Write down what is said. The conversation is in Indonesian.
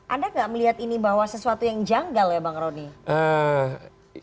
anda nggak melihat ini bahwa sesuatu yang janggal ya bang roni